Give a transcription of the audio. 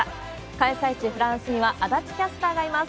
開催地、フランスには足立キャスターがいます。